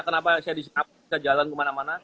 kenapa saya jalan kemana mana